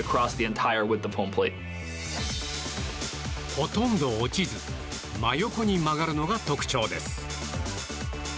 ほとんど落ちず真横に曲がるのが特徴です。